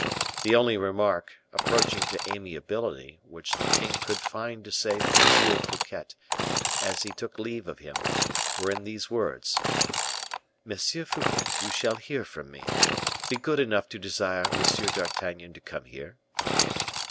The only remark, approaching to amiability, which the king could find to say to M. Fouquet, as he took leave of him, were in these words, "M. Fouquet, you shall hear from me. Be good enough to desire M. d'Artagnan to come here."